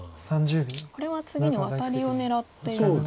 これは次にワタリを狙っていますか。